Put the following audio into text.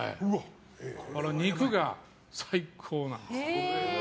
肉が最高なんです。